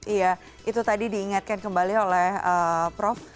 iya itu tadi diingatkan kembali oleh prof